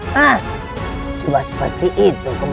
hach cuma seperti itu kemampuanmu